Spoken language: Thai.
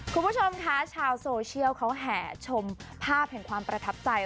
คุณผู้ชมคะชาวโซเชียลเขาแห่ชมภาพแห่งความประทับใจ